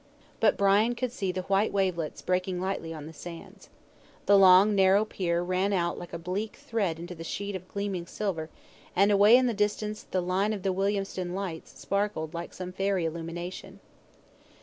But Brian could see the white wavelets breaking lightly on the sands. The long narrow pier ran out like a black thread into the sheet of gleaming silver, and away in the distance the line of the Williamstown lights sparkled like some fairy illumination.